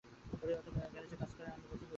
ওর এত সময় গ্যারেজে কাজ করা আমি পছন্দ করতাম না।